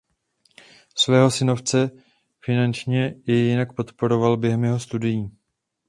Svého synovce finančně i jinak podporoval během jeho studií.